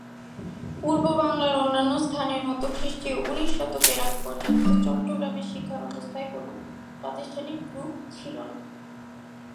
পূর্ববাংলার অন্যান্য স্থানের মতো খ্রিস্টীয় উনিশ শতকের আগ পর্যন্ত চট্টগ্রামের শিক্ষাব্যবস্থার কোন প্রাতিষ্ঠানিক রূপ ছিল না।